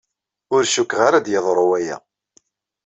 Ur cikkeɣ ara ad d-yeḍru waya!